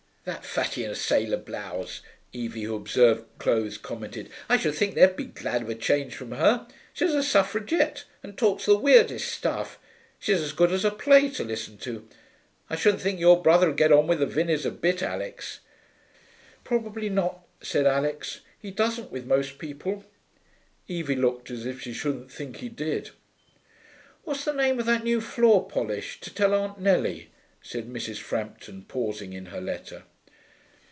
'That fatty in a sailor blouse,' Evie, who observed clothes, commented. 'I should think they'd be glad of a change from her. She's a suffragette, and talks the weirdest stuff; she's as good as a play to listen to.... I shouldn't think your brother'd get on with the Vinneys a bit, Alix.' 'Probably not,' said Alix. 'He doesn't with most people.' Evie looked as if she shouldn't think he did. 'What's the name of that new floor polish, to tell Aunt Nellie?' said Mrs. Frampton, pausing in her letter.